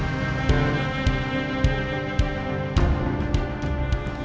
ini terkait dengan istri saya